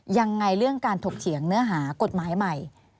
ยังไงเรื่องการถกเถียงเนื้อหากฎหมายใหม่